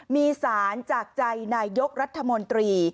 มีสารจากใจนายยกรัฐมนตรี